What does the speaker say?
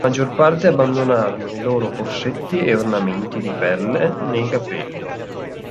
La maggior parte abbandonarono i loro corsetti e ornamenti di perle nei capelli.